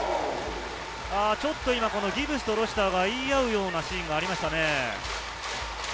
ギブスとロシターが言い合うようなシーンがありましたね。